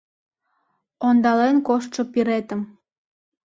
Ондален коштшо пиретым